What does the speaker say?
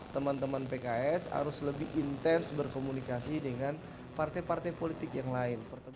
teman teman pks harus lebih intens berkomunikasi dengan partai partai politik yang lain